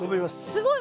すごい。